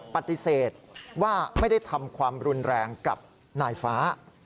ปฏิเสธว่าไม่ได้ทำความรุนแรงกับนายฟ้า